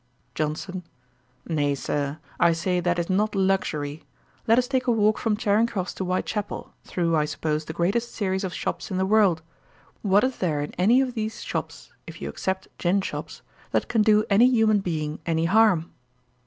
JOHNSON. 'Nay, Sir, I say that is not luxury. Let us take a walk from Charing cross to White chapel, through, I suppose, the greatest series of shops in the world; what is there in any of these shops (if you except gin shops,) that can do any human being any harm?'